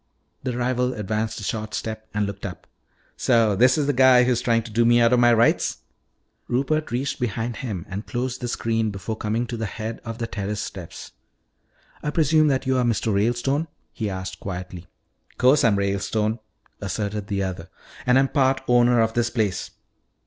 The rival advanced a short step and looked up. "So this is the guy who's trying to do me out of my rights?" Rupert reached behind him and closed the screen before coming to the head of the terrace steps. "I presume that you are Mr. Ralestone?" he asked quietly. "'Course I'm Ralestone," asserted the other. "And I'm part owner of this place."